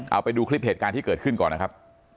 เอาไปดูคลิปเหตุการณ์ที่เกิดขึ้นก่อนนะครับ